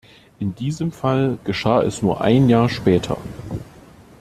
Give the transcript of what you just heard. In diesem Fall geschah es nur ein Jahr später.